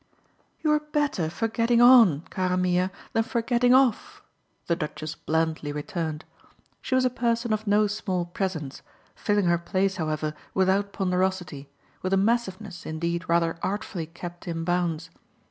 "You're better for getting on, cara mia, than for getting off!" the Duchess blandly returned. She was a person of no small presence, filling her place, however, without ponderosity, with a massiveness indeed rather artfully kept in bounds.